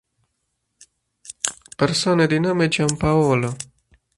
Persone di nome Giampaolo